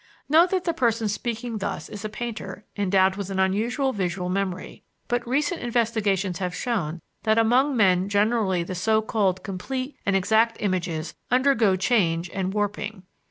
Note that the person speaking thus is a painter endowed with an unusual visual memory; but recent investigations have shown that among men generally the so called complete and exact images undergo change and warping.